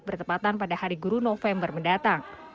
bertepatan pada hari guru november mendatang